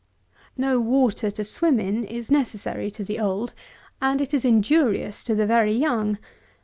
No water, to swim in, is necessary to the old, and is injurious to the very young.